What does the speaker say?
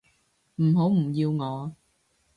唔好唔要我